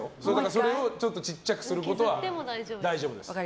それをもうちょっと小さくすることは大丈夫です。